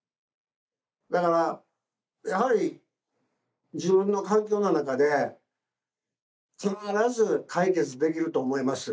だからやはり自分の環境の中で必ず解決できると思います。